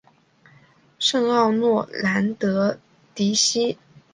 圣奥诺兰德迪西。